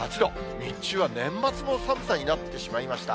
日中は年末の寒さになってしまいました。